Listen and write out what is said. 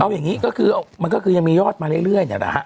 เอาอย่างนี้ก็คือมันก็คือยังมียอดมาเรื่อยเนี่ยแหละฮะ